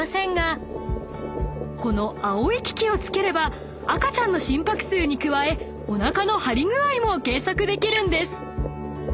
［この青い機器を付ければ赤ちゃんの心拍数に加えおなかの張り具合も計測できるんです］